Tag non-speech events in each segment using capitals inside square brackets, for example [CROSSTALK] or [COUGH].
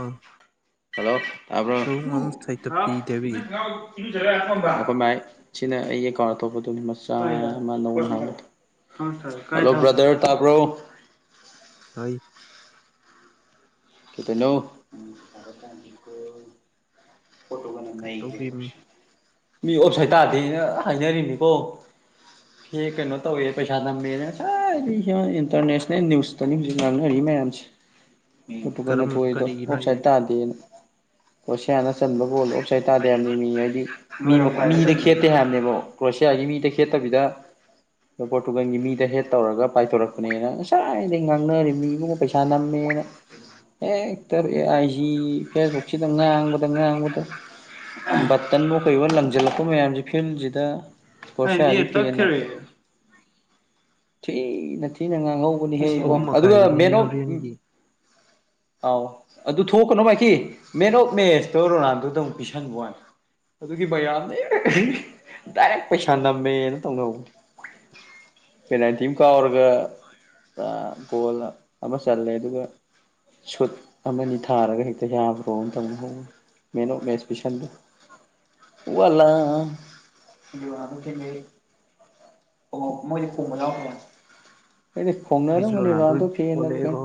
ꯑꯥ hello ꯇꯥꯕ꯭ꯔꯣ ꯍꯥꯎ ꯇꯧꯡ ꯀꯨ ꯑꯃ ꯅꯪ ꯁꯩꯇꯞꯇꯤ ꯗꯦꯕꯤ ꯈꯪꯒꯥꯎ ꯏꯔꯨꯖꯔꯒ ꯑꯥ ꯊꯝꯃꯝꯕ꯭ꯔꯥ ꯁꯤꯅ ꯑꯩꯒꯤ ꯑꯦ [UNINTELLIGIBLE] ꯀꯥꯎꯟ ꯑꯇꯧꯞꯄꯗꯨꯒꯤ ꯃꯆꯥ ꯃꯌꯥꯝ ꯑꯃ ꯅꯧꯅ ꯍꯥꯞꯐꯜꯂꯛꯀꯦ [UNINTELLIGIBLE] ꯍꯜꯂꯣ ꯕ꯭ꯔꯗꯔ ꯇꯥꯕ꯭ꯔꯣ ꯇꯥꯏ ꯀꯩ ꯇꯩꯅꯣ ꯄꯣꯔꯇꯨꯒꯜꯅ ꯅꯩꯒ꯭ꯔꯦ ꯇꯧꯕꯤ ꯃꯤ ꯑꯣꯞꯁꯥꯏꯠ ꯇꯥꯗꯦꯅ ꯍꯥꯏꯅꯔꯤꯅꯤꯀꯣ ꯐꯦ ꯀꯩꯅꯣ ꯇꯧꯋꯦ ꯄꯩꯁꯥ ꯅꯝꯃꯦꯅ ꯉꯁꯥꯏꯗꯩ ꯁꯤꯃ ꯏꯟꯇꯔꯅꯦꯁꯅꯦꯜ ꯅꯤꯎꯖ ꯇꯅꯤ ꯍꯨꯖꯤꯛ ꯉꯥꯡꯅꯔꯤ ꯃꯌꯥꯝꯁꯦ ꯄꯣꯔꯇꯨꯒꯜꯅ ꯀꯔꯝ ꯊꯣꯏꯔꯤꯗꯣ ꯀꯔꯤꯒꯤꯅꯣ ꯍꯥꯏꯁꯦ ꯑꯣꯞꯁꯥꯏꯠ ꯇꯥꯗꯦꯅ ꯀ꯭ꯔꯣꯁꯤꯌꯥꯅ ꯆꯟꯕ ꯒꯣꯜ ꯑꯣꯐ ꯇꯥꯗꯦ ꯍꯥꯏꯕꯅꯦ ꯃꯤ ꯍꯥꯏꯗꯤ ꯃꯤꯗ ꯈꯦꯠꯇꯦ ꯍꯥꯏꯕꯅꯦꯕ ꯀ꯭ꯔꯣꯁꯤꯌꯥꯒꯤ ꯃꯤꯗ ꯈꯦꯠꯇꯕꯤꯗ ꯄꯣꯔꯇꯨꯒꯜꯒꯤ ꯃꯤꯗ ꯍꯦꯠ ꯇꯧꯔꯒ ꯄꯥꯏꯊꯣꯔꯛꯄꯅꯦꯅ ꯉꯁꯥꯏꯗꯩ ꯉꯥꯡꯅꯔꯤ ꯃꯤ ꯏꯕꯨꯡꯉꯣ ꯄꯩꯁꯥ ꯅꯝꯃꯦꯅ ꯍꯦꯛꯇ ꯑꯦ ꯑꯥꯏꯖꯤ ꯐꯦꯁꯕꯨꯛꯁꯤꯗ ꯉꯥꯡꯕꯗ ꯉꯥꯡꯕꯗ ꯕꯇꯜꯋꯣ ꯀꯩꯋꯣ ꯂꯪꯖꯜꯂꯛꯄ ꯃꯌꯥꯝꯖꯤ ꯐꯤꯜꯖꯤꯗ ꯀ꯭ꯔꯣꯁꯤꯌꯥꯅ ꯍꯦꯟꯅ ꯊꯤꯅ ꯊꯤꯅ ꯊꯤꯅ ꯉꯥꯡꯍꯧꯕꯅꯤꯍꯦ ꯄꯨꯡ ꯏꯕꯣ ꯑꯍꯨꯝ ꯑꯗꯨꯒ ꯃꯦꯟ ꯃꯈꯥꯏꯗꯅꯤꯅꯦ ꯑꯣꯐ ꯎꯝ ꯍꯣꯔꯦꯟꯒꯤ ꯑꯥꯎ ꯑꯗꯨ ꯊꯣꯛꯀꯅꯣ ꯃꯥꯏꯀꯤ ꯃꯦꯟ ꯑꯣꯐ ꯃꯦꯁꯇꯣ ꯔꯣꯅꯥꯜꯗꯣꯗ ꯑꯃꯨꯛ ꯄꯤꯁꯟꯕ ꯋꯥꯅꯤ ꯑꯗꯨꯒꯤ ꯃꯌꯥꯝꯅ ꯏꯃꯥꯏ ꯑꯍꯤ ꯍꯤ ꯗꯥꯏꯔꯦꯛ ꯄꯩꯁꯥ ꯅꯝꯃꯦꯅ ꯇꯧꯅꯍꯧꯕꯅꯤ ꯄꯦꯅꯥꯜꯇꯤꯝ ꯀꯥꯎꯔꯒ ꯑ ꯒꯣꯜ ꯑꯃ ꯆꯜꯂꯦ ꯑꯗꯨꯒ ꯁꯨꯠ ꯑꯃꯅꯤ ꯊꯥꯔꯒ ꯍꯦꯛꯇ ꯌꯥꯕ꯭ꯔꯣ ꯅ ꯇꯧꯅꯍꯧꯕꯅꯤ ꯃꯦꯟ ꯑꯣꯐ ꯃꯦꯁ ꯄꯤꯁꯟꯕꯩ ꯋꯂꯥ ꯔꯣꯅꯥꯟꯗꯣ ꯐꯦꯟꯒꯩ [UNINTELLIGIBLE] ꯑꯣ ꯃꯣꯏꯗꯤ ꯀꯣꯛ ꯃꯅꯥꯎꯄꯥꯅꯤ ꯑꯩꯗꯤ ꯑꯩꯁꯨ ꯈꯣꯡꯅꯔꯝꯒꯅꯤ ꯔꯣꯅꯥꯜꯗꯣ ꯔꯣꯅꯥꯟꯗꯣ ꯐꯦꯕꯅꯕꯨ ꯀꯩꯅꯣ ꯑꯣꯜꯂꯛꯑꯦꯀꯣ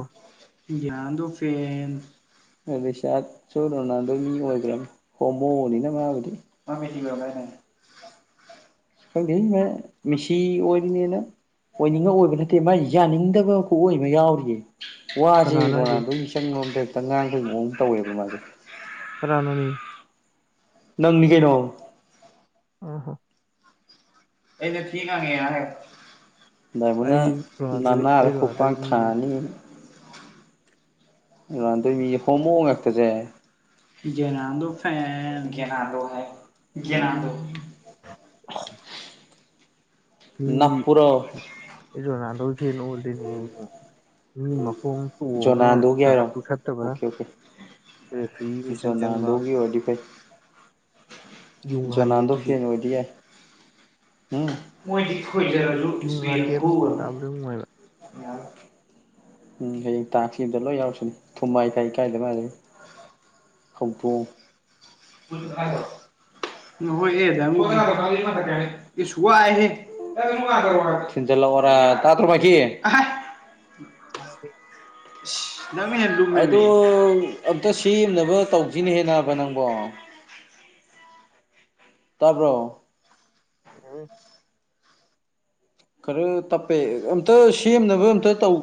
ꯄꯤꯒꯤ ꯔꯣꯅꯥꯟꯗꯣ ꯐꯦꯟ ꯑꯗꯨ ꯔꯤꯆꯥꯠꯁꯨ ꯔꯣꯅꯥꯜꯗꯣꯏ ꯃꯤ ꯑꯣꯏꯒ꯭ꯔꯥꯕꯅꯤ ꯍꯣꯃꯣꯅꯤꯅ ꯃꯥꯕꯨꯗꯤ ꯃꯥ ꯃꯦꯁꯤꯒꯤ ꯑꯣꯏꯔꯝꯗꯥꯏꯅꯦ ꯈꯪꯗꯦꯍꯦ ꯃꯥ ꯃꯦꯁꯤꯒꯤ ꯑꯣꯏꯔꯤꯅꯦꯅ ꯑꯣꯏꯅꯤꯡꯉ ꯑꯣꯏꯕ ꯅꯠꯇꯦ ꯃꯥꯥꯏ ꯌꯥꯅꯤꯡꯗꯕ ꯈꯨꯑꯣꯏ ꯑꯃ ꯌꯥꯎꯔꯤꯌꯦ ꯋꯥꯖꯦ ꯀꯅꯥꯅꯣ ꯍꯥꯏꯁꯦ ꯔꯣꯅꯥꯜꯗꯣꯒꯤ ꯃꯤꯆꯪꯂꯣꯝꯗ ꯈꯤꯇꯪ ꯉꯥꯡꯕꯩ ꯃꯑꯣꯡ ꯑꯃ ꯇꯧꯋꯦꯕ ꯃꯥꯗꯤ ꯀꯅꯥꯅꯣꯃꯤ ꯅꯪꯅꯤ ꯀꯩꯅꯣ ꯑꯣ ꯍꯣ ꯑꯩꯗ ꯊꯤꯒꯉ ꯌꯥꯔꯦ ꯕꯥꯔꯅꯨꯅ ꯑꯩ ꯔꯣꯅꯥꯜꯗꯣ ꯅꯅꯥ ꯑꯩ ꯔꯣꯅꯥꯜꯗꯣꯒꯤ ꯍꯨꯄꯥꯡ ꯃꯤꯅꯤ ꯊꯥꯅꯤ ꯔꯥꯟꯗ ꯃꯤ ꯍꯣꯃꯛꯇ ꯁꯦ ꯌꯦꯔꯗꯣ ꯐ ꯦꯔꯗꯣ ꯍꯥꯏ ꯦꯔꯗꯣ ꯅꯞꯄꯨꯔꯣ ꯃꯤꯔꯣꯅꯥꯗꯧ ꯐꯦ ꯑꯣꯜꯂꯤꯅꯦ ꯃꯤ ꯃꯈꯣꯡ ꯇꯣꯡꯉ ꯖꯣꯅꯥꯟꯗꯣꯒꯤ ꯍꯥꯏꯔꯣ ꯀꯥꯔꯠꯄꯨ ꯁꯠꯇꯕ ꯑꯣꯀꯦ ꯑꯣꯀꯦ ꯔꯦꯐ꯭ꯔꯤ ꯃꯤꯆꯪ ꯆꯪꯕ ꯖꯣꯟꯅꯗꯒꯤ ꯑꯣꯏꯗꯤ ꯐꯥꯏ ꯌꯨꯡ ꯍꯥꯟꯒꯦ ꯖꯣꯅꯥꯥꯟꯗꯣ ꯒꯤ ꯑꯗꯨꯗꯤ ꯐꯅꯑꯣꯏꯗꯤ ꯌꯥꯏ ꯎꯝ ꯃꯣꯏꯗꯤ ꯈꯣꯏꯖꯔꯁꯨ ꯌꯨꯡ ꯍꯥꯟꯒꯦ ꯏ ꯃꯈꯣꯟ ꯈꯨꯨꯔ ꯇꯥꯕꯗ ꯅꯨꯡꯉꯥꯏꯕ [UNINTELLIGIBLE] ꯎꯝ ꯍꯌꯦꯡ ꯇꯥꯛꯁꯤꯗ ꯂꯣꯏ ꯌꯥꯎꯔꯁꯤꯅꯤ ꯊꯨꯝꯃꯥꯏ ꯀꯥꯏ ꯀꯥꯏꯗ ꯃꯥꯗꯅꯤ ꯀꯄꯨ ꯗ ꯏꯁꯨꯍꯦ ꯤꯟ ꯆꯂ ꯑꯣꯔ ꯇꯥ ꯇꯔꯃꯀꯤ ꯇ ꯅꯪ ꯑ ꯑꯝꯇ ꯁꯦꯝꯅꯕ ꯇꯧꯁꯤꯅ ꯍꯦꯟꯅꯕ ꯅꯪꯕꯣ ꯇꯕ꯭ꯔꯣ ꯎꯝ ꯈꯔ ꯇꯞꯄꯦ ꯑꯝꯇ ꯁꯦꯝꯅꯕ ꯑꯝꯇ ꯇꯧ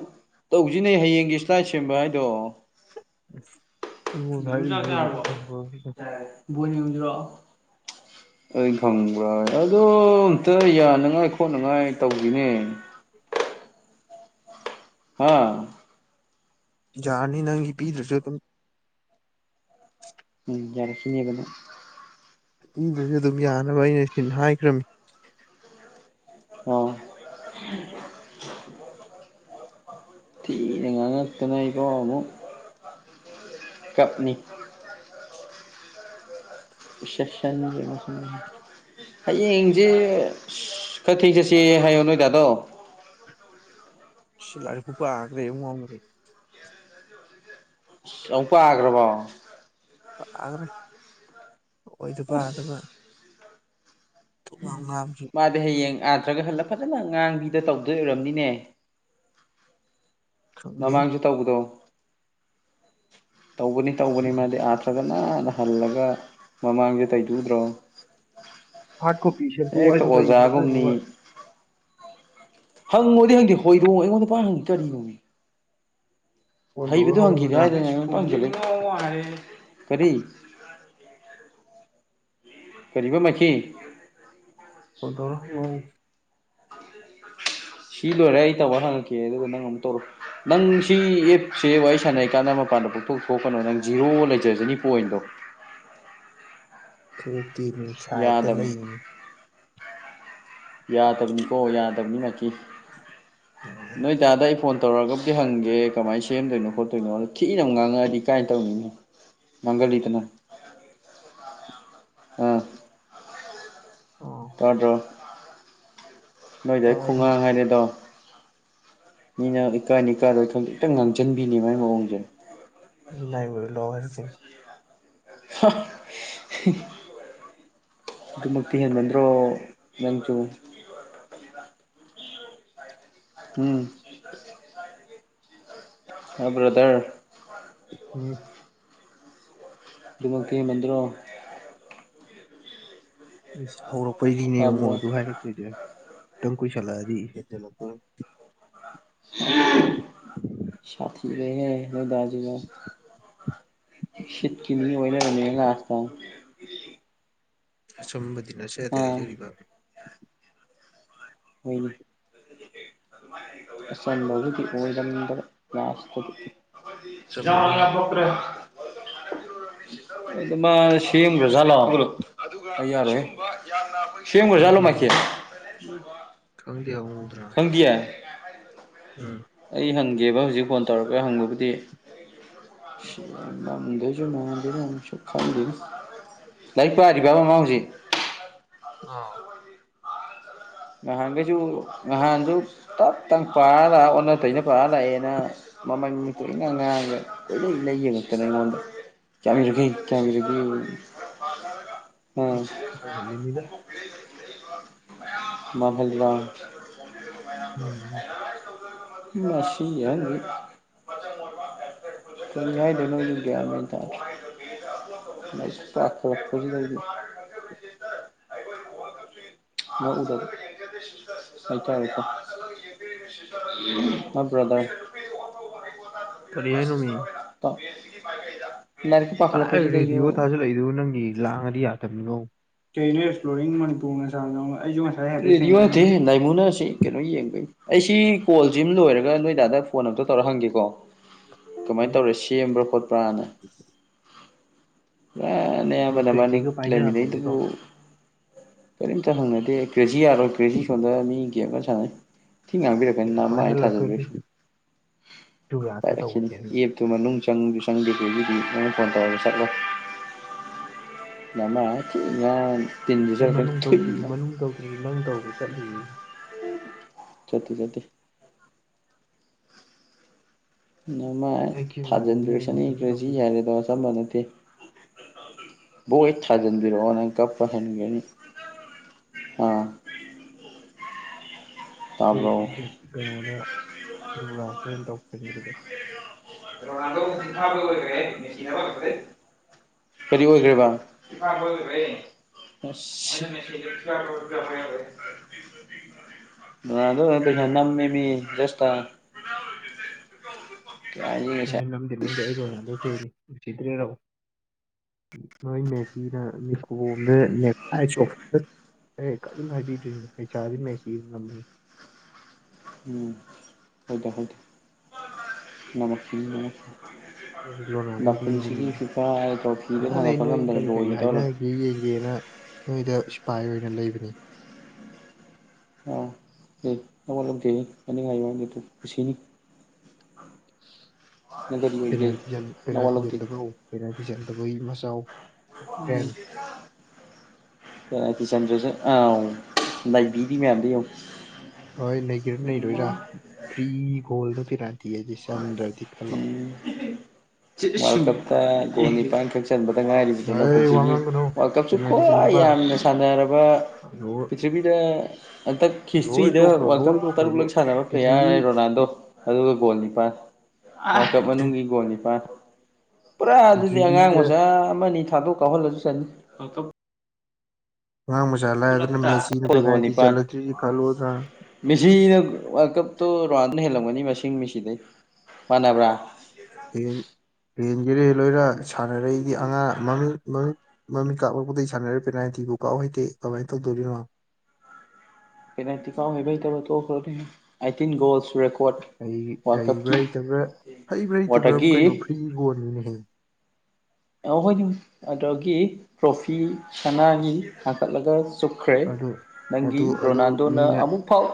ꯇꯧꯁꯤꯅꯦ ꯍꯌꯦꯡꯒꯤ ꯁꯂꯥꯏ ꯁꯦꯝꯕ ꯍꯥꯏꯗꯣ ꯑꯩꯉ ꯊꯔ ꯑ ꯊꯪ ꯕꫭꯜ ꯌꯦꯡꯉꯨꯖꯤꯔꫭ ꯑꯩ ꯈꯪꯕ꯭ꯔ ꯑꯣ ꯑꯝꯇ ꯌꯥꯅꯉꯥꯏ ꯈꯣꯠꯅꯉꯥꯏ ꯇꯧꯁꯤꯅꯦ ꯑꯥ ꯌꯥꯖꯥꯔꯅꯤ ꯅꯪꯒꯤ ꯄꯤꯗ꯭ꯔꯁꯦ ꯑꯗꯨ ꯎꯝ ꯔꯁꯤꯅꯤꯕꯅ ꯄꯤꯗꯁꯨ ꯑꯗꯨꯝ ꯌꯥꯅꯕ ꯑꯩꯅ ꯁꯤ ꯍꯥꯏꯈ꯭ꯔꯃꯤ ꯑ ꯊꯤꯉꯥꯡ ꯑꯦꯇꯅꯏꯀꯥꯎꯨ ꯀꯞꯅꯤ [INAUDIBLE] ꯍꯌꯦꯡꯁꯦ ꯀ ꯊꯦꯡ ꯆꯠꯁꯦ ꯍꯥꯏꯌꯣ ꯅꯣꯏꯗꯥꯗꯣ [UNINTELLIGIBLE] ꯁꯤꯂꯥꯔꯤ ꯄꯨꯄ ꯍꯥꯏꯈ꯭ꯔꯦ꯭ꯔꯦ ꯑꯀꯒ꯭ꯔꯕꯣ ꯄꯥꯈ꯭ꯔꯦ ꯑꯣꯏꯗꯕ ꯑꯁ ꯑꯗꯨꯒ ꯃꯥꯗꯤ ꯍꯌꯦꯡ ꯑꯥꯇ꯭ꯔꯒ ꯍꯜꯂ ꯐꯖꯅ ꯑ ꯉꯥꯡꯕꯤ ꯑꯗꯨꯗ ꯇꯧꯗꯣꯏ ꯑꯣꯏꯔꯝꯅꯤꯅꯦ ꯈꯪꯗꯦ ꯃꯃꯥꯡꯁꯨ ꯇꯧꯕꯗꯣ ꯇꯧꯕꯒꯅꯤ ꯇꯧꯕꯅꯤ ꯃꯥꯗꯤ ꯑꯥꯊ꯭ꯔꯒ ꯀꯅꯥꯟꯅ ꯍꯜꯂꯒ ꯃꯃꯥꯡꯁꯦ ꯇꯩꯗꯨꯗ꯭ꯔꯣ ꯍꯥꯔꯠ ꯀꯣꯄꯤ ꯁꯦꯝꯇꯣꯛꯑꯣ ꯑꯦꯛꯇꯣ ꯍꯥꯏꯗꯣ ꯀꯩ ꯑꯣꯖꯥꯒꯨꯝꯅꯤ ꯁꯦꯝꯗꯣꯏꯅꯣꯕ ꯍꯪꯉꯨꯗꯤ ꯍꯪꯗꯦ ꯍꯣꯏꯗꯣꯛꯉꯑꯣ ꯑꯩꯉꯣꯟꯗ ꯄ ꯍꯪꯉꯤ ꯀꯔꯤꯒꯣꯤ ꯐꯣꯟ ꯇꯧꯔ ꯍꯩꯕꯗꯨ ꯍꯪꯈꯤꯗꯦ ꯍꯪꯉꯨꯗ꯭ꯔꯥ ꯍꯥꯏꯗꯅꯪ ꯀꯔꯤ ꯄ ꯃꯥꯈꯤ ꯗꯣꯔꯃꯨꯡ ꯁꯤ ꯂꯣꯏꯔꯦ ꯑꯩ ꯇꯧꯕ ꯍꯪꯉꯛꯀꯦ ꯑꯗꯨꯒ ꯅꯪ ꯑꯃꯨꯛ ꯇꯧꯔꯣ ꯅꯪ ꯁꯤ ꯑꯦꯞꯁꯦ ꯋꯥꯔꯤ ꯁꯥꯟꯅꯔꯤ ꯀꯥꯟꯗ ꯃꯅꯤꯄꯥꯟꯗ ꯄꯊꯣꯛ ꯊꯣꯛꯄꯅ ꯅꯪ ꯖꯤꯔꯣ ꯂꯩꯖꯁꯤꯅꯤ ꯄꯣꯏꯟꯗꯣ ꯊꯣꯛꯣꯛꯄꯇꯅꯤ ꯁꯥꯏꯠꯇ ꯌꯥꯗꯕꯅꯤ ꯂꯩꯅ ꯌꯥꯗꯕꯅꯤꯀꯣ ꯌꯥꯗꯕꯅꯤꯅꯀꯤ ꯌꯥꯏꯌꯦ ꯅꯣꯏ ꯇꯥꯗ ꯑꯩ ꯐꯣꯟ ꯇꯧꯔꯒꯕꯨꯗꯤ ꯍꯪꯒꯦ ꯀꯃꯥꯏꯅ ꯁꯦꯝꯗꯣꯏꯅꯣ ꯈꯣꯠꯇꯣꯏꯅꯣꯗꯣ ꯊꯤꯛꯅꯅꯕ ꯉꯥꯡꯉꯛꯑꯗꯤ ꯀꯥꯏꯅ ꯇꯧꯅꯤꯅ ꯃꯪꯒꯜꯂꯤꯗꯅ ꯑꯥ ꯑꯣ ꯇꯗ꯭ꯔꯣ ꯅꯣꯏꯗ ꯑꯩ ꯇꯥꯏꯃꯤ ꯈꯨꯡꯉꯥꯡ ꯍꯥꯏꯔꯦꯗꯣ ꯃꯤꯅ ꯏꯀꯥꯏꯅꯤ ꯀꯥꯔꯣꯏ ꯈ ꯇꯪ ꯉꯥꯡꯁꯤꯟꯕꯤꯅꯤ ꯃꯥꯏ ꯃꯑꯣꯡꯁꯦ ꯥꯏ ꯑꯣꯏ ꯂ ꯍꯥꯏꯔ [INAUDIBLE] ꯑꯗꯨꯃꯛ ꯇꯦꯟ ꯃꯦꯟꯗ꯭ꯔꯣ ꯃꯦꯝ ꯆ ꯎꯝ ꯕ꯭ꯔꯗꯔ ꯎꯝ ꯗꯨꯃꯀꯤꯤ ꯃꯟꯗ꯭ꯔꯣ ꯍꯧꯔꯛꯄꯩꯗꯤꯅꯦꯕꯉꯣ ꯇꯥꯕ꯭ꯔꯣ ꯑꯗꯨ ꯍꯥꯏꯔꯛꯇꯣꯏꯁꯦꯇꯪ ꯈꯨꯣꯏꯁꯂꯔꯤ ꯍꯦꯗ ꯂ ꯁꯥꯤ ꯂꯩꯦ ꯍꯣꯏꯗꯖꯤꯕ ꯁꯤꯇꯀꯤꯅꯤ ꯑꯣꯏꯅꯒ ꯃꯒꯥ ꯑꯥꯁꯇꯥ ꯑꯁꯨꯝꯕꯗꯤ ꯅꯁꯗ ꯍꯥꯏꯖꯔꯤꯕ ꯍ ꯑꯁꯟꯕꯒꯤꯗꯤ ꯑꯣꯏꯔꯝꯗꯕ ꯀ꯭ꯂꯥꯁꯇꯗꯤ ꯑꯆꯝꯕ ꯃ ꯃꯥꯜꯂꯨ ꯐꯣꯛ꯭ꯔ ꯃꯥ ꯁꯤꯒꯂꯣ ꯌꯥꯔꯦ ꯁꯕꯖꯂꯣ ꯈꯪꯗꯦꯃꯤ ꯃꯥꯀꯤꯈꯤ ꯎꯗꯔꯥ ꯎꯝ ꯑꯩ ꯍꯪꯒꯦꯕ ꯍꯧꯖꯤꯛ ꯐꯣꯟ ꯇꯧꯔꯒ ꯍꯪꯕꯕꯨꯗꯤ ꯗꯁꯨꯨꯝꯃꯗꯁꯨꯣ ꯈꯗꯤ ꯂꯥꯏꯔꯤꯛ ꯄꯥꯔꯤꯕ ꯕꯥꯕꯃ ꯍꯧꯖꯤꯛ ꯑꯥ ꯉꯍꯥꯟꯈꯩꯁꯨ ꯉꯍꯥꯟꯗꯨ ꯇꯞ ꯇꯪ ꯄꯥꯔ ꯂꯥꯛꯑ ꯑꯣꯟꯅ ꯇꯩꯅ ꯄꯥꯔ ꯂꯥꯛꯑꯦꯅ ꯃꯃ ꯀ ꯉꯪꯉꯥꯏꯒ ꯂꯩ ꯂꯩ ꯅꯠꯇꯅꯦꯉꯣꯟꯗ ꯆꯥꯈꯩ ꯆ ꯃꯑꯣꯡ ꯃꯥꯜꯍꯜꯂꯤꯃꯤꯗ ꯃꯥꯚꯦꯜꯗꯗ ꯎꯝꯝ ꯃꯁꯤꯁꯤ ꯌꯥ ꯌꯥꯥꯏ ꯅꯒ ꯀꯌꯥꯌꯥ ꯅꯇ ꯁꯨꯁꯤ ꯂꯩ ꯍꯗ ꯑꯗꯨ ꯍꯇ ꯍꯥꯏꯛꯇ ꯑ ꯕ꯭ꯔꯥꯗꯔ ꯇꯔꯤ ꯌꯥꯏꯅꯃꯤ [INAUDIBLE] ꯂꯥꯏꯔꯤꯛꯀ ꯀꯗꯥꯥꯏ ꯄꯥꯈꯠꯂꯛꯄꯁꯤꯗꯩꯁꯨ ꯔꯦꯗꯤꯑꯣ ꯊꯥꯖꯤꯜꯂꯛꯏꯗꯨ ꯅꯪꯒꯤ ꯂꯥꯡꯉꯗꯤ ꯌꯥꯗꯕꯅꯤꯅꯣ ꯀꯩꯅ ꯑꯦꯛꯁꯄ꯭ꯂꯣꯔꯤꯡ ꯃꯅꯤꯄꯨꯔ ꯑꯩꯁꯨ ꯉꯁꯥꯏꯦ ꯂꯥꯏꯃꯨꯅꯔꯁꯤ ꯀꯩꯅꯣ ꯌꯦꯡꯕ ꯑꯩꯁꯤ ꯀꯣꯜꯁꯤꯃ ꯂꯣꯏꯔꯒ ꯅꯣꯏꯗꯥꯗ ꯐꯣꯟ ꯑꯇ ꯇꯧꯔ ꯍꯪꯒꯦꯀꯣ ꯀꯃꯥꯏꯅ ꯇꯧꯔꯦ ꯁꯦꯝꯕ꯭ꯔꯥ ꯈꯣꯠꯄ꯭ꯔꯥꯅ ꯏ ꯅꯌꯥꯝꯕ ꯅꯣꯏ ꯅꯕꯥꯟꯅꯤ ꯀ꯭ꯔꯦꯖꯤꯒ ꯄꯥꯏꯅꯔꯝꯃꯒꯦꯀꯣ ꯂꯩꯃꯤꯟꯅꯩꯗꯨꯕꯨ ꯀꯔꯤꯝꯇ ꯍꯪꯅꯗꯦ ꯀ꯭ꯔꯦꯖꯤ ꯌꯥꯔꯣꯏ ꯀ꯭ꯔꯦꯖꯤ ꯁꯣꯟꯗ ꯃꯤ ꯒꯦꯝ ꯑꯃ ꯁꯥꯟꯅꯩ ꯊꯤ ꯉꯥꯡꯕꯤꯔꯛꯀꯅꯤ ꯅꯍ ꯑꯃ ꯑꯩ ꯄꯥꯏꯍꯜꯂꯛꯇꯣꯏꯅꯤ ꯊꯥꯖꯗꯣꯏꯁꯨ ꯖꯨ ꯌꯥꯠꯇ ꯄꯥꯏꯔꯛꯀꯅꯤ ꯇꯧꯕꯅꯦ ꯏ ꯑꯦꯛꯁꯨ ꯃꯅꯨꯡ ꯆꯪꯒꯤ ꯆꯪꯗꯦꯁꯦ ꯑꯗꯨꯗꯤ ꯅꯪꯅ ꯐꯣꯟ ꯇꯧꯔꯒ ꯆꯠꯂꯣ ꯃꯃꯥ ꯌꯥ ꯑꯩ ꯃꯅꯨꯡ ꯇꯧꯗ꯭ꯔꯤꯁꯤ ꯃꯅꯨꯡ ꯇꯧꯗ꯭ꯔꯤꯁꯤ ꯅꯪ ꯇꯧꯕ ꯆꯠꯂꯤ ꯆꯠꯇ ꯆꯠꯇ ꯅꯃꯥꯏ ꯑꯩ ꯒꯦꯝ ꯁꯥꯟꯅꯔꯤꯑꯅ ꯊꯥꯖꯤꯟꯕꯤꯔꯁꯅ ꯀꯔꯤꯝ ꯈ꯭ꯔꯦꯁꯤ ꯇꯧꯗꯦ ꯍꯥꯏꯔꯦꯗꯕ ꯑꯆꯝꯕ ꯅꯠꯇꯦ ꯕ ꯏ ꯊꯥꯖꯗꯤꯔꯣꯅ ꯀꯞ ꯄꯟꯒꯅꯤ ꯑ ꯑꯩꯈꯣꯏ ꯀꯩꯅꯣꯗ ꯨꯔꯁꯨ ꯑꯣꯏꯅ ꯇꯧꯁꯤꯟꯈꯔꯒꯦ [UNINTELLIGIBLE] [UNINTELLIGIBLE] [UNINTELLIGIBLE] ꯀꯔꯤ ꯑꯣꯏꯈ꯭ꯔꯦꯕ ꯑꯁ [INAUDIBLE] [INAUDIBLE] ꯑ ꯑꯗꯨ ꯅꯝꯃꯤꯃꯤ ꯔꯁꯇ ꯑ ꯅꯝꯗꯦ ꯅꯝꯗꯦ ꯑꯩ ꯔꯣꯅꯥꯗꯧ ꯊꯦꯅꯤ ꯅꯨꯡꯁꯤꯗ꯭ꯔꯦ ꯔꯎꯑꯣ ꯅꯣꯏ ꯃꯦꯁꯤꯅ ꯃꯤꯈꯣꯕꯣꯝꯅ ꯑꯦ ꯀꯔꯤꯝ ꯍꯥꯏꯕꯤꯗ꯭ꯔꯤꯅꯦ ꯄꯩꯁꯥꯗꯤ ꯃꯁꯤ ꯉꯝꯕꯅꯤ ꯎꯝ ꯍꯗ ꯍꯗ ꯅꯃꯦꯃꯦ ꯍ ꯂꯣꯅꯥꯗ ꯃꯤ ꯇ꯭ꯔꯣꯐꯤꯗꯣ ꯀꯥꯟꯅꯩ ꯊꯥꯡꯒꯠꯄ ꯅꯣꯏ ꯉꯝꯗꯅ ꯀꯔꯤ ꯀꯔꯤ ꯂꯣꯏꯒꯦ ꯇꯧꯔꯝꯃꯦ ꯍꯥꯏꯅꯒꯦ ꯌꯦꯡꯒꯦꯅ ꯅꯣꯏꯗ ꯏꯁꯄꯥꯏ ꯑꯣꯏꯅ ꯂꯩꯕꯅꯤ ꯑꯥ ꯂꯧꯗꯦ ꯍꯥꯏꯌ ꯑꯗꯨ ꯑꯗꯨ ꯄꯨꯁꯤꯅꯤ ꯄꯦꯇ ꯅꯋꯥ ꯂꯧꯗꯦ ꯄꯦꯔꯇꯤꯟꯗꯕ ꯄꯦꯔꯇꯤꯟꯗꯕꯒꯤ ꯃ ꯆꯥꯎ ꯀꯤ ꯁꯥꯟꯖꯁꯦ ꯑꯥꯎ ꯂꯩꯥꯏꯕꯤ ꯐꯄꯤ ꯃꯗ ꯑꯨ ꯍꯣꯏ ꯂꯩꯒꯔ ꯂꯩꯗꯣꯏꯔꯥ ꯐ꯭ꯔꯤꯒꯣꯜ ꯅꯠꯇꯤꯔꯥꯅꯤ ꯗꯤ ꯆꯦꯟꯗ꯭ꯔꯗꯤ ꯈꯜꯂꯣ ꯞꯣꯅꯤ ꯄ ꯈ ꯆꯟꯕꯗ ꯉꯥꯏꯔꯤꯕꯗꯨꯅ ꯍꯩ ꯋꯥ ꯄꯨꯟꯁꯤꯒꯤ ꯉꯥꯡꯒꯅꯨ ꯋꯥꯔꯜ ꯀꯞꯁꯨ ꯄꯦꯅꯥꯜꯇꯤ ꯈ꯭ꯋꯥ ꯆꯟꯗꯕ ꯌꯥꯝꯅ ꯁꯥꯟꯅꯔꯕ ꯂꯣꯏ ꯄ꯭ꯔꯤꯊꯤꯕꯤꯗ ꯍꯟꯗꯛ ꯂꯣꯏ ꯍꯤꯁꯇ꯭ꯔꯤꯗ ꯇꯣꯛꯈ꯭ꯔꯣ ꯋꯥꯔꯜ ꯂꯣꯏ ꯀꯞ ꯇꯣꯛꯈ꯭ꯔꯣ ꯇꯔꯨꯛꯂꯛ ꯂꯣꯏ ꯁꯥꯟꯅꯕ ꯄ꯭ꯔꯤꯊꯤꯕꯤ ꯄ꯭ꯂꯦꯌꯥꯔ ꯔꯣꯅꯥꯜꯗꯣ ꯑꯗꯨꯒ ꯒꯣꯜ ꯅꯤꯄꯜ ꯀꯞ ꯄ꯭ꯔꯤꯊꯤ ꯃꯅꯨꯡꯒꯤ ꯒꯣꯜ ꯅꯤꯄꯥꯜ ꯄꯨꯔꯥ ꯑꯗꯨꯗꯤ ꯑꯉꯥꯡ ꯄ꯭ꯔꯤꯊꯤꯕꯤꯁꯤꯗ ꯃꯆꯥ ꯑꯃꯅꯤ ꯊꯥꯗꯣꯛ ꯀꯥꯎꯍꯜꯂꯁꯨ ꯆꯠꯅꯤ ꯑꯥꯡ ꯃꯁꯥꯂꯥ ꯑꯗꯨꯅ ꯃꯦꯁꯤꯅ ꯒꯣꯜ ꯄꯦꯔꯗꯤ ꯅꯤꯄꯥꯟ ꯆꯠꯂ꯭ꯔꯤꯁꯤ ꯈꯜꯂꯨꯗ꯭ꯔꯥ ꯃꯦꯁꯤꯅ ꯋꯥꯔꯜ ꯀꯞꯇꯣ ꯔꯨꯗꯅ ꯍꯦꯜꯂꯝꯒꯅꯤ ꯃꯁꯤꯡ ꯃꯦꯁꯤꯗꯩ ꯃꯥꯟꯅꯕ꯭ꯔꯥ ꯑꯦꯟ ꯌꯦꯟ ꯌꯦꯔꯦ ꯂꯣꯏꯔ ꯁꯥꯟꯅꯔꯛꯏꯗꯤ ꯑꯉꯥꯡ ꯃꯃꯤꯡ ꯃꯃꯤꯡꯠ ꯃꯃꯤꯠ ꯀꯥꯞꯂꯛꯄꯗꯒꯤ ꯁꯥꯟꯅꯔ ꯄꯦꯅꯥꯜꯇꯤꯕꯨ ꯀꯥꯍꯩ ꯀ ꯀꯋꯥꯏꯇ ꯗꯔꯤ ꯄꯅꯥꯇꯤꯀ ꯍꯕ ꯏꯇꯔꯤꯟꯣꯁ ꯍ ꯍꯩꯕ꯭ꯔꯥ ꯍꯩꯇꯕ꯭ꯔꯥ ꯍꯩꯕ꯭ꯔꯥ ꯍꯩꯇꯕ꯭ꯔꯥꯛ ꯋꯥꯇꯔꯒꯤ ꯀꯩꯅꯣ ꯐ꯭ꯔꯤꯒꯣꯟꯅꯤꯅꯦ ꯍꯌꯦ ꯍꯣꯏ ꯑꯗꯨꯗꯒꯤ ꯇ꯭ꯔꯣꯐꯤ ꯁꯅꯥꯅꯤ ꯍꯥꯀꯠꯂꯒ ꯆꯨꯞꯈ꯭ꯔꯦ ꯑꯗꯨ ꯅꯪꯒꯤ ꯑꯗꯨ ꯑꯗꯨ ꯔꯣꯅꯥꯜꯗꯣꯅ ꯃꯤꯅ ꯑꯃꯨꯛ ꯐꯥꯎ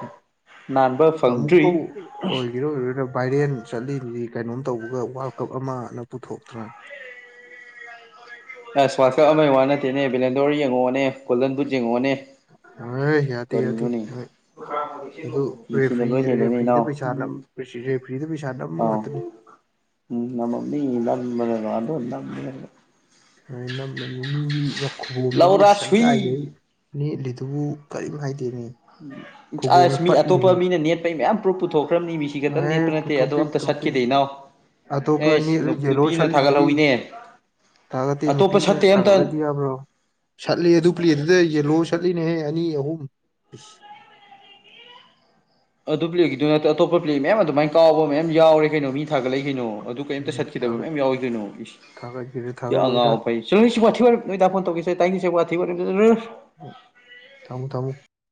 ꯅꯥꯟꯕ ꯐꯪꯗ꯭ꯔꯤ ꯑꯃꯨꯛꯐꯥꯎ ꯑꯣꯏꯒꯦꯔꯥ ꯑꯣꯏꯔꯣꯏꯔꯥ ꯚꯥꯏꯔꯦꯟ ꯆꯠꯂꯤꯅꯤꯗꯤ ꯀꯩꯅꯣꯝ ꯇꯧꯕꯒ ꯋꯥꯔꯜ ꯀꯞ ꯑꯃꯅ ꯄꯨꯊꯣꯛꯇ꯭ꯔꯦ ꯑꯁ ꯁ꯭ꯋꯥꯁꯛ ꯑꯃꯒꯤ ꯋꯥ ꯅꯠꯇꯦꯅꯦ ꯚꯂꯦꯟꯗꯣꯔ ꯌꯦꯡꯉꯛꯑꯣꯅꯦ ꯀꯣꯍꯟꯕꯨ ꯌꯦꯡꯉꯛꯑꯣꯅꯦ ꯑ ꯌꯥꯗꯤ ꯌꯥꯗꯤ ꯀꯔꯤꯅꯣꯅꯦ ꯑꯗꯨꯔꯤ ꯃꯦꯁꯤꯅ ꯂꯣꯏ ꯍꯦꯜꯂꯦꯅꯦ ꯔꯦꯐ꯭ꯔꯤꯗ ꯏꯅꯥꯎ ꯄꯩꯁ ꯏꯅꯥꯎ ꯔꯦꯐ꯭ꯔꯤꯗ ꯄꯩꯁꯥ ꯅꯝꯕ ꯉꯥꯛꯇꯅꯤ ꯎꯝ ꯅꯝꯕ ꯃꯤꯝꯕꯦꯔ ꯑꯗꯨ ꯏꯔ ꯅꯃ ꯃꯤꯒꯤ ꯋꯥꯈꯕꯣꯝꯗꯨꯕꯨ ꯂꯧꯔꯥ ꯁꯪꯒꯥꯏꯈꯩ ꯁꯨꯏ ꯅꯦꯠꯂꯤꯗꯨꯕꯨ ꯀꯔꯤ ꯍꯥꯏ ꯑꯁ ꯃꯤ ꯑꯇꯣꯞꯄ ꯃꯤꯅ ꯅꯦꯠꯄꯩ ꯃꯌꯥꯝ ꯄꯨ꯭ꯔꯨꯞ ꯄꯨꯊꯣꯛꯈ꯭ꯔꯕ ꯅꯤ ꯃꯤꯁꯤ ꯈꯛꯇ ꯑꯦ ꯅꯦꯄ ꯅꯠꯇꯦ ꯑ ꯑꯗꯨ ꯄꯨꯊꯣꯛꯇꯦ ꯑꯝꯇ ꯄꯨꯊꯣꯛꯇꯦ ꯆꯠꯈꯤꯗꯦꯅꯣ ꯑꯇꯣꯞꯄ ꯑꯦꯁ ꯅꯦꯠꯂ ꯌꯦꯜꯂꯣ ꯅꯨꯄꯤꯅ ꯁꯠꯂꯤꯗꯨꯗꯤ ꯊꯥꯒꯠꯍꯧꯋꯤꯅꯦ ꯊꯥꯒꯠꯇꯦ ꯑꯇꯣꯞꯄ ꯁꯠꯇꯦ ꯅꯨꯄꯤꯗꯅ ꯑꯝꯇ ꯊꯥꯒꯠꯂꯗꯤ ꯌꯥꯕ꯭ꯔꯣ ꯁꯠꯂꯤ ꯑꯗꯨ ꯄ꯭ꯂꯦ ꯑꯗꯨꯗ ꯌꯦꯜꯂꯣ ꯁꯠꯂꯤꯅꯦꯍꯦ ꯑꯅꯤ ꯑ ꯑꯣꯝ ꯑꯗꯨ ꯄ꯭ꯂꯦꯛꯀꯤꯗꯨ ꯅꯠꯇꯦ ꯑꯇꯣꯞꯄ ꯄ꯭ꯂꯦꯛ ꯃꯌꯥꯝ ꯑꯗꯨꯃꯥꯏꯅ ꯀꯥꯎꯕ ꯃꯌꯥꯝ ꯌꯥꯎꯔꯦ ꯀꯩꯅꯣ ꯃꯤ ꯊꯥꯒꯠꯂꯛꯏ ꯀꯩꯅꯣ ꯑꯗꯨ ꯀꯩꯝꯇ ꯎꯝ, ꯆꯠꯈꯤꯗꯕ ꯊꯥꯒꯠ ꯃꯌꯥꯝ ꯌꯥꯎꯏꯗꯣꯏꯅꯣ ꯊꯥꯒꯠꯀꯦꯔꯥ ꯏꯁ ꯑꯉ ꯊꯥꯒꯠꯂꯣꯏꯔꯥ ꯆꯁꯨ ꯄꯊꯦꯣꯟ ꯇꯧꯁꯦ ꯇꯥꯏꯁꯊ ꯊꯃ ꯊꯃ